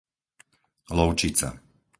Lovčica